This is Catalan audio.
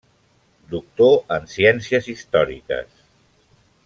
Doctor en Ciències Històriques.